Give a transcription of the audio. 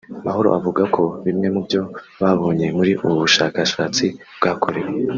Mahoro avuga ko bimwe mu byo babonye muri ubu bushakashatsi bwakorewe